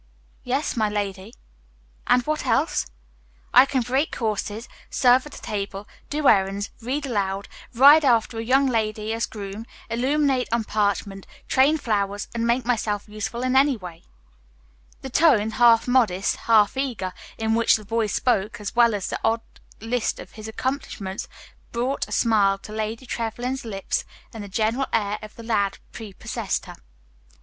"Yes, my lady." "And what else?" "I can break horses, serve at table, do errands, read aloud, ride after a young lady as groom, illuminate on parchment, train flowers, and make myself useful in any way." The tone, half modest, half eager, in which the boy spoke, as well as the odd list of his accomplishments, brought a smile to Lady Trevlyn's lips, and the general air of the lad prepossessed her.